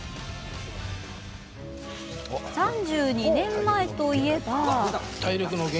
３２年前といえば。